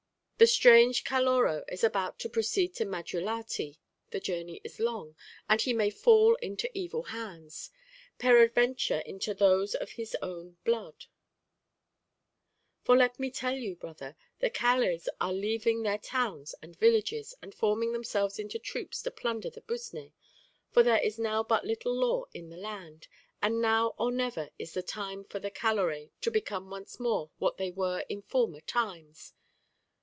The strange Caloró is about to proceed to Madrilati; the journey is long, and he may fall into evil hands, peradventure into those of his own blood; for let me tell you, brother, the Calés are leaving their towns and villages, and forming themselves into troops to plunder the Busné, for there is now but little law in the land, and now or never is the time for the Caloré to become once more what they were in former times.